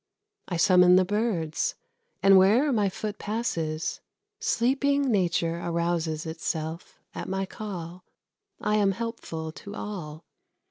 I summon the birds, and where'er my foot passes, Sleeping Nature arouses itself at my call. I am helpful to all.